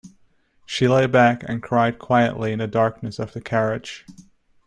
She lay back and cried quietly in the darkness of the carriage.